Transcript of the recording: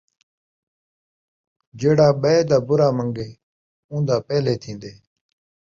جیڑھا ٻئےدا بُرا من٘گدے، اون٘دا پہلے تھین٘دے